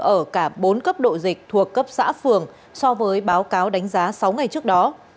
ở cả bốn cấp độ dịch thuộc cấp xã phường so với báo cáo đánh giá sáu ngày trước đó